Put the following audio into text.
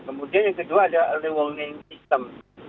kemudian yang kedua ada early warning system